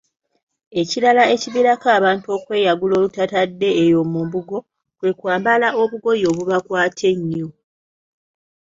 Ekirala ekiviirako abantu okweyagula olutatadde eyo mu mbugo, kwe kwambala obugoye obubakwata ennyo,